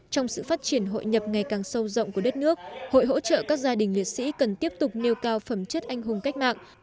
trong sự phát triển hội nhập ngày càng sâu rộng của đất nước hội hỗ trợ các gia đình liệt sĩ cần tiếp tục nêu cao phẩm chất anh hùng cách mạng